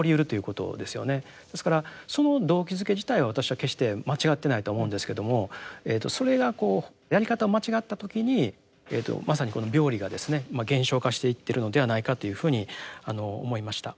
ですからその動機づけ自体は私は決して間違ってないと思うんですけどもそれがこうやり方を間違った時にまさにこの病理がですね現象化していってるのではないかというふうに思いました。